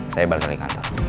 saya balik lagi ke kantor